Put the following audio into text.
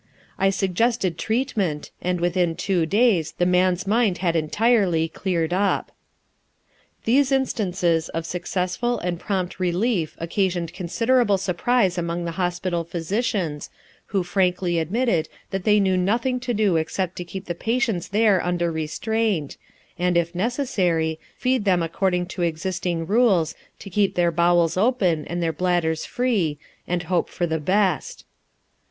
I suggested treatment and within two days the man's mind had entirely cleared up. These instances of successful and prompt relief occasioned considerable surprise among the hospital physicians, who frankly admitted that they knew nothing to do except to keep the patients there under restraint, and, if necessary, feed them according to existing rules, to keep their bowels open and their bladders free, and hope for the best.